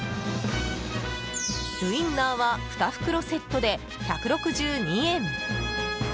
ウインナーは２袋セットで１６２円。